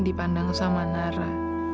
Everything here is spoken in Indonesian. dipandang sama nara